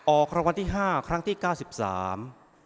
ออกคำวัติห้าครั้งที่เก้าสิบสาม